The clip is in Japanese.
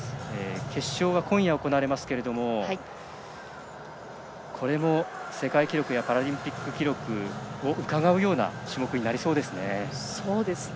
決勝は今夜行われますがこれも世界記録やパラリンピック記録をうかがうような種目になりそうですね。